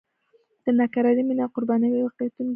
د ناکرارې مینې او قربانیو واقعاتو بیانونه کول.